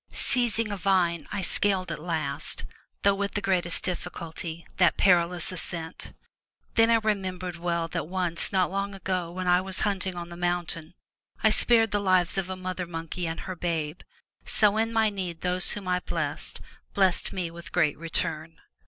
Seizing a vine, I scaled at last, though with the greatest difficulty, that perilous ascent. Then I remem bered well that once not long ago when I was hunting on the mountain, I spared the lives of a mother monkey and her babe. So in my need those whom I blessed, blessed me with large return."